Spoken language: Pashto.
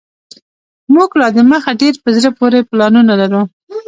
موږ لا دمخه ډیر په زړه پوري پلانونه لرو